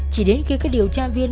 chỉ đến khi các điều tra viên